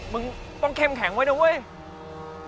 มึงต้องเข้มแข็งไว้นะเว้ย